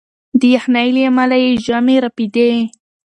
د یخنۍ له امله یې ژامې رپېدې.